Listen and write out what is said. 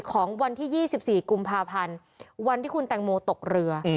ของวันที่๒๔กุมภาพันธ์วันที่คุณแตงโมตกเรือ